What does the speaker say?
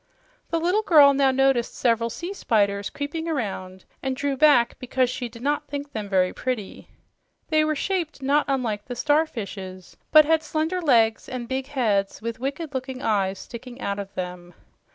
The little girl now noticed several sea spiders creeping around and drew back because she did not think them very pretty. They were shaped not unlike the starfishes, but had slender legs and big heads with wicked looking eyes sticking out of them.